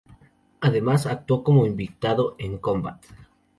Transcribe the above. Además actuó como invitado en "Combat!